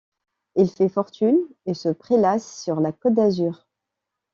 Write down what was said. Il fait fortune et se prélasse sur la Côte d’Azur.